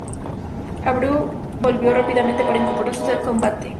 Abreu volvió rápidamente para incorporarse al combate.